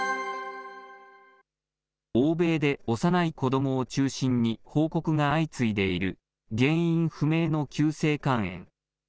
欧米で幼い子どもを中心に、報告が相次いでいる原因不明の急性肝炎。